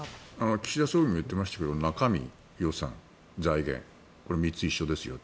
岸田総理も言っていましたが中身、予算、財源これ３つ一緒ですよ。